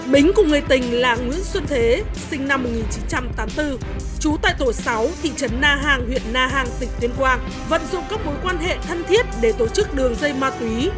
bính cùng người tình là nguyễn xuân thế sinh năm một nghìn chín trăm tám mươi bốn trú tại tổ sáu thị trấn na hàng huyện na hàng tỉnh tuyên quang vận dụng các mối quan hệ thân thiết để tổ chức đường dây ma túy